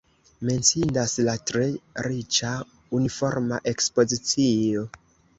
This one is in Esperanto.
Menciindas la tre riĉa uniforma ekspozicio.